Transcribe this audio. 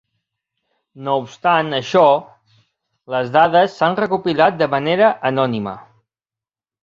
No obstant això, les dades s'han recopilat de manera anònima.